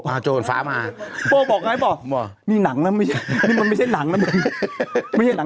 อ่าโจรฝามา